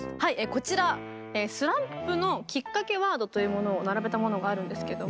こちらスランプのきっかけワードというものを並べたものがあるんですけども。